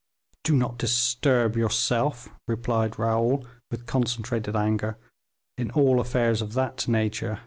"Do not disturb yourself," replied Raoul, with concentrated anger; "in all affairs of that nature, M.